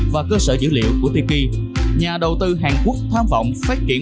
và cơ sở dữ liệu của tiki nhà đầu tư hàn quốc tham vọng phát triển